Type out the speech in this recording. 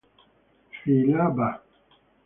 Filava.